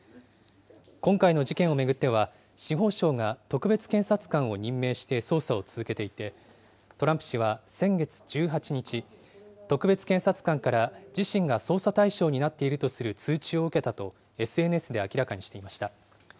今回の事件を巡っては、司法省が特別検察官を任命して捜査を続けていて、トランプ氏は先月１８日、特別検察官から自身が捜査対象になっているとする通知を受けたと、ＳＮＳで明らかにしていました。